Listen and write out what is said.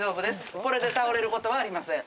これで倒れることはありません。